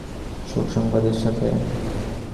শোক সংবাদের সাথে।